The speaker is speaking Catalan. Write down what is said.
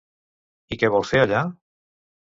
I què vol fer allà?